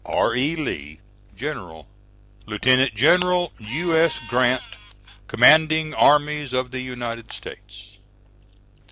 R. E. LEE, General. LIEUT. GENERAL U. S. GRANT, Commanding Armies of the U. S.